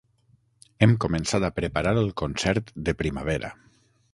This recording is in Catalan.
Hem començat a preparar el concert de primavera.